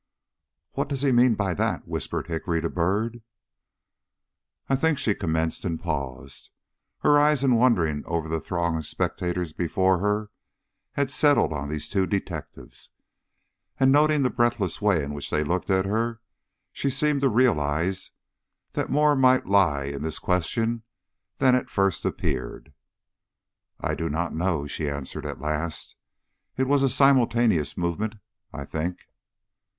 "What does he mean by that?" whispered Hickory to Byrd. "I think " she commenced and paused. Her eyes in wandering over the throng of spectators before her, had settled on these two detectives, and noting the breathless way in which they looked at her, she seemed to realize that more might lie in this question than at first appeared. "I do not know," she answered at last. "It was a simultaneous movement, I think."